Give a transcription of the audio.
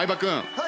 はい。